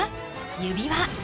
指輪］